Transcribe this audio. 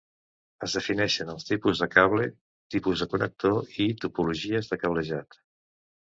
Es defineixen els tipus de cable, tipus de connector i topologies de cablejat.